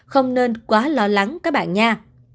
không nên quá lo lắng các bạn nha